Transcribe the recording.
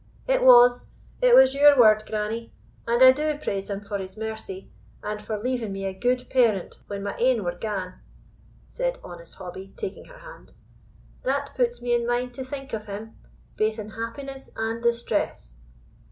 "It was it was your word, grannie; and I do praise Him for His mercy, and for leaving me a good parent when my ain were gane," said honest Hobbie, taking her hand, "that puts me in mind to think of Him, baith in happiness and distress."